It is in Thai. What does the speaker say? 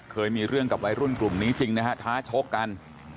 เคยมีเรื่องกับวัยรุ่นกลุ่มนี้จริงนะฮะท้าชกกัน